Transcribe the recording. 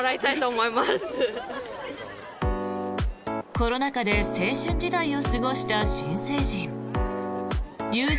コロナ禍で青春時代を過ごした新成人。